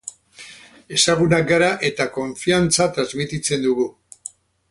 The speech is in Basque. Ezagunak gara eta konfiantza transmititzen dugu.